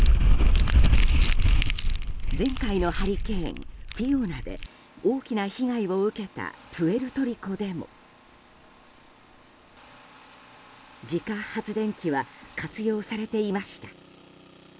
前回のハリケーン、フィオナで大きな被害を受けたプエルトリコでも自家発電機は活用されていました。